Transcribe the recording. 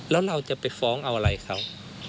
แล้วเราจะไปฟ้องเอาอะไรเขา